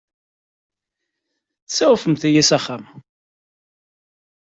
Tsuɛfemt-iyi s axxam.